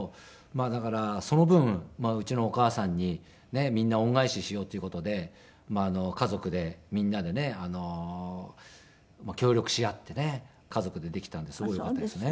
だからその分うちのお母さんにみんな恩返ししようという事で家族でみんなでね協力し合ってね家族でできたんですごいよかったですね。